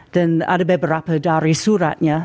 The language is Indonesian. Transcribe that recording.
dan ada beberapa dari suratnya